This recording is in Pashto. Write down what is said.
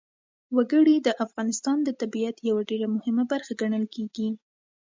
وګړي د افغانستان د طبیعت یوه ډېره مهمه برخه ګڼل کېږي.